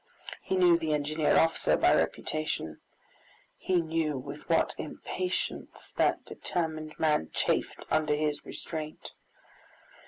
He knew the engineer officer by reputation; he knew with what impatience that determined man chafed under his restraint.